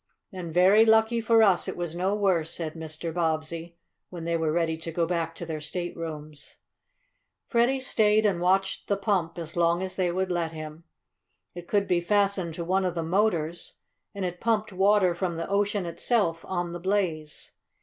"And very lucky for us it was no worse," said Mr. Bobbsey, when they were ready to go back to their staterooms. Freddie stayed and watched the pump as long as they would let him. It could be fastened to one of the motors and it pumped water from the ocean itself on the blaze.